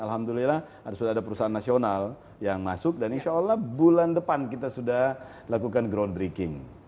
alhamdulillah sudah ada perusahaan nasional yang masuk dan insya allah bulan depan kita sudah lakukan groundbreaking